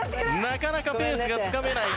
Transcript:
なかなかペースがつかめない。